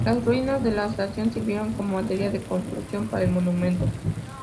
Las ruinas de la estación sirvieron como material de construcción para el monumento.